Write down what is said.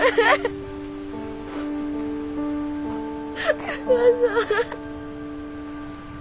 お母さん。